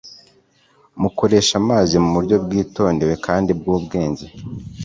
mukoresha amazi mu buryo bwitondewe kandi bwubwenge